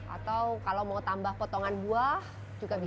atau kalau mau tambah potongan buah juga bisa